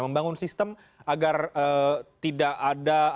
membangun sistem agar tidak ada kesempatan untuk korupsi